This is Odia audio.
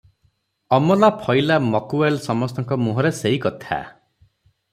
ଅମଲା ଫଇଲା ମଓକ୍କେଲ ସମସ୍ତଙ୍କ ମୁହଁରେ ସେହି କଥା ।